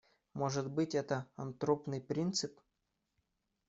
Может быть, это антропный принцип.